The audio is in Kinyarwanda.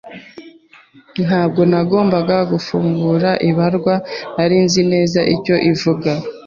Ntabwo nagombaga gufungura ibaruwa. Nari nzi neza icyo ivuga.